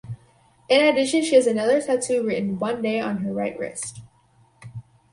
In addition she has another tattoo written "One Day" on her right wrist.